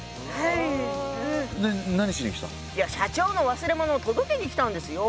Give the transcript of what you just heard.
いや社長の忘れ物を届けにきたんですよ。